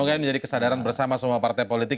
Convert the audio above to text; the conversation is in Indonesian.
semoga ini menjadi kesadaran bersama semua partai politik